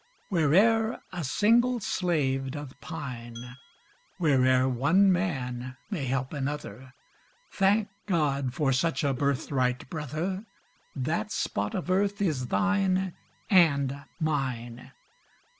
Where'er a single slave doth pine, Where'er one man may help another, Thank God for such a birthright, brother, That spot of earth is thine and mine!